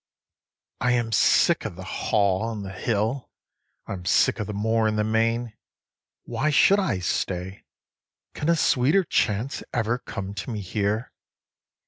16. I am sick of the Hall and the hill, I am sick of the moor and the main. Why should I stay? can a sweeter chance ever come to me here?